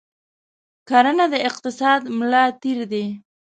کرنه د اقتصاد ملا تیر دی.